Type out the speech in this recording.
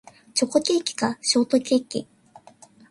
チョコケーキかショートケーキ